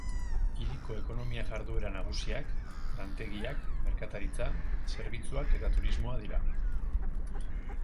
Hiriko ekonomia-jarduera nagusiak, lantegiak, merkataritza, zerbitzuak eta turismoa dira.